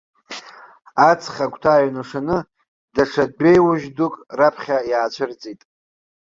Аҵх агәҭа ааҩнашоны, даҽа дәеиужь дук раԥхьа иаацәырҵит.